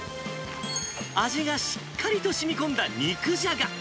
味がしっかりとしみこんだ肉じゃが。